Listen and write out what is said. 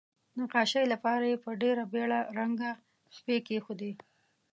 نقاشۍ لپاره یې په ډیره بیړه رنګه خپې کیښودې.